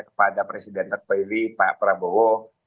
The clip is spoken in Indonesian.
kepada presiden pak peli pak prabowo